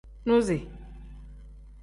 Nuzi.